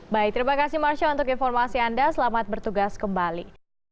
baik terima kasih marsha untuk informasi anda selamat bertugas kembali